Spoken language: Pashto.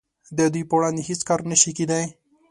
د دوی په وړاندې هیڅ کار نشي کیدای